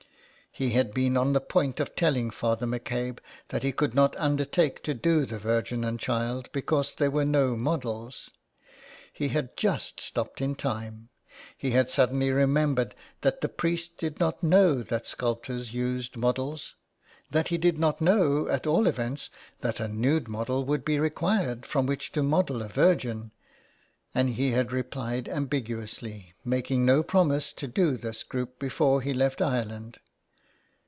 He had been on the point of telling Father McCabe that he could not undertake to do the Virgin and Child because there were no models. He had just stopped in time. He had suddenly remembered that the priesi did not know that sculptors use models ; that he did not know, at all events, that a nude model would be required from which to model a Virgin, and he had replied ambiguously, making no promise to do this group before he left Ireland.